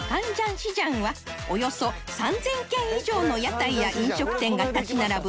市場はおよそ３０００軒以上の屋台や飲食店が立ち並ぶ